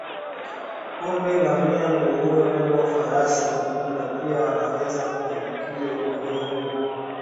Ngombe ngamia nguruwe mbwa farasi na punda pia wanaweza kuambukizwa ugonjwa huu